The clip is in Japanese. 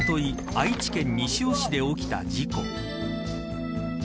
愛知県西尾市で起きた事故。